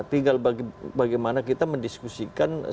tinggal bagaimana kita mendiskusikan